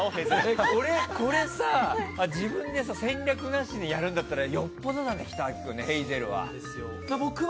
これさ、自分で戦略なしでやるんだったらよっぽどだと思うけどねヘイゼルは。